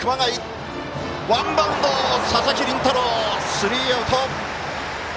スリーアウト。